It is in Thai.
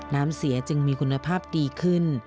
น้ำเสียจึงมีคุณภาพดีขึ้น